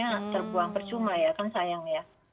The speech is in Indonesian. ya terbuang percuma ya kan sayang ya